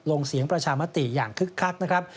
ลงเสียงประชามติอย่างคึกคักนะครับ